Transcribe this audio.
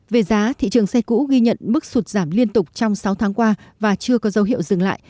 về giá thị trường xe cũ ghi nhận mức sụt giảm liên tục trong sáu tháng qua và chưa có dấu hiệu dừng lại